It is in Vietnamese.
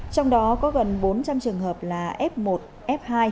trong đó có gần bốn trăm linh trường hợp là f một f hai